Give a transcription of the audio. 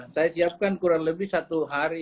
saya siapkan kurang lebih satu hari